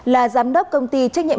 là giám đốc công ty trách nhiệm